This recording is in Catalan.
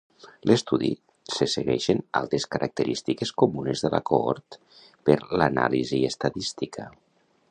L'estudi se segueixen altres característiques comunes de la cohort per l'anàlisi estadística.